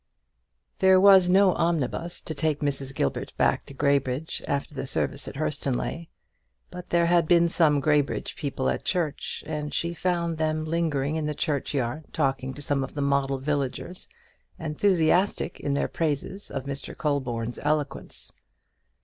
There was no omnibus to take Mrs. Gilbert back to Graybridge after the service at Hurstonleigh; but there had been some Graybridge people at church, and she found them lingering in the churchyard talking to some of the model villagers, enthusiastic in their praises of Mr. Colborne's eloquence.